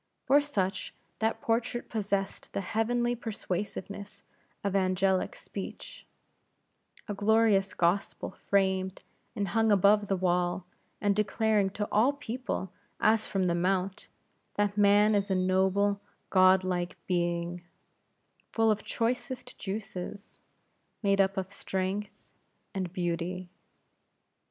For such, that portrait possessed the heavenly persuasiveness of angelic speech; a glorious gospel framed and hung upon the wall, and declaring to all people, as from the Mount, that man is a noble, god like being, full of choicest juices; made up of strength and beauty.